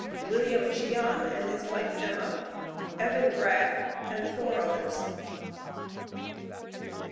WILLIAM CHION AND HIS WIFE, EMMA, EVAN GRAFF, AND FOUR OTHERS.